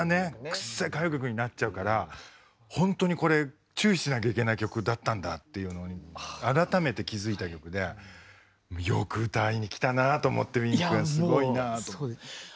くっさい歌謡曲になっちゃうからほんとにこれ注意しなきゃいけない曲だったんだっていうのを改めて気付いた曲でよく歌いに来たなあと思ってＷＩＮ君すごいなあと思って。